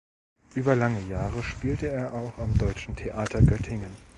Über lange Jahre spielte er auch am "Deutschen Theater Göttingen".